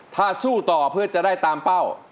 ถ้าสู้ต่อเพื่อจะได้ตามเป้า